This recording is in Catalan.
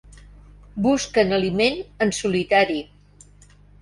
Busquen aliment en solitari.